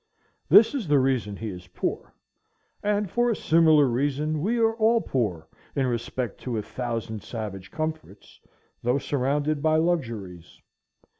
This is the reason he is poor; and for a similar reason we are all poor in respect to a thousand savage comforts, though surrounded by luxuries.